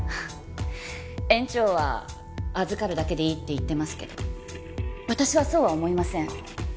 園長は預かるだけでいいって言ってますけど私はそうは思いません。